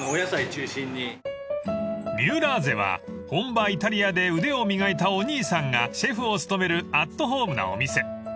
［ミウラーゼは本場イタリアで腕を磨いたお兄さんがシェフを務めるアットホームなお店］